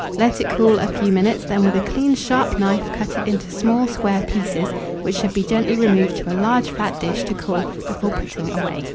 Let it cool a few minutes, then with a clean sharp knife cut it into small square pieces, which should be gently removed to a large flat dish to cool before putting away.